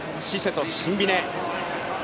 シセとシンビネ。